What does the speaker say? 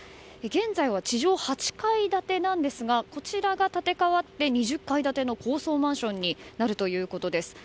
現在は地上８階建てなんですがこちらが建て替わって２０階建ての高層マンションになるということです。